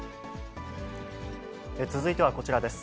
続いてはこちらです。